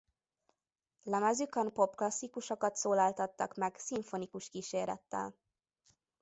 Lemezükön pop- klasszikusokat szólaltattak meg szimfonikus kísérettel.